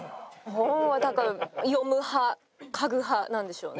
本はだから読む派嗅ぐ派なんでしょうね。